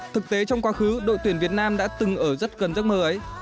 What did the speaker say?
thực tế trong quá khứ đội tuyển việt nam đã từng ở rất gần giấc mơ ấy